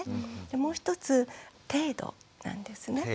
でもう一つ程度なんですね。